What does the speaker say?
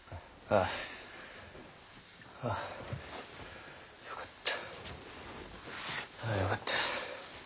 あよかった。